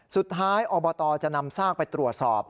สุดท้ายอบทจะนำซากไปตรวจสอบ